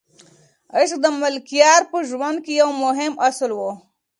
عشق د ملکیار په ژوند کې یو مهم اصل و.